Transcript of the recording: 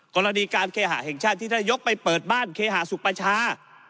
กรณีการเคหาแห่งชาติที่ท่านยกไปเปิดบ้านเคหาสุประชา